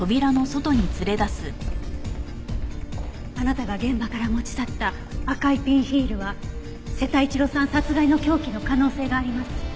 あなたが現場から持ち去った赤いピンヒールは瀬田一郎さん殺害の凶器の可能性があります。